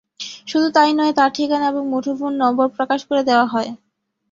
শুধু তাই নয়, তাঁর ঠিকানা এবং মুঠোফোন নম্বর প্রকাশ করে দেওয়া হয়।